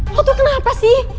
lo tuh kenapa sih